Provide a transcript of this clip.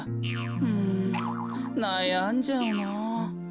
うんなやんじゃうな。